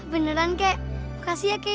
benar kakek makasih ya kakek